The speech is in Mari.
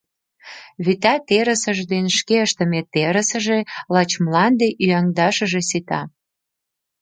Вӱта терысыж ден шке ыштыме терысыже лач мланде ӱяҥдашыже сита.